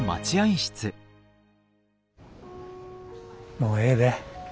もうええで。